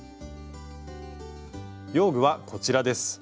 用具はこちらです。